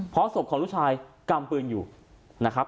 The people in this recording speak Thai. เพราะศพของลูกชายกำปืนอยู่นะครับ